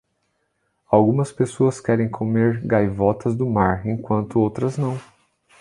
Algumas pessoas querem comer gaivotas do mar, enquanto outras não.